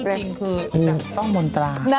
จริงคือต้องมนตรา